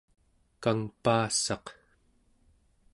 kangpaassaq